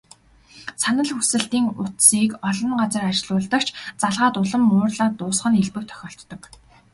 Санал хүсэлтийн утсыг олон газар ажиллуулдаг ч, залгаад улам уурлаад дуусах нь элбэг тохиолддог.